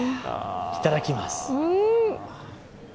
いただきます。